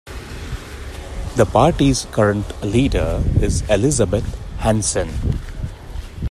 The party's current leader is Elizabeth Hanson.